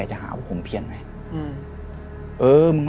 น้ำผีเหลียนกลูง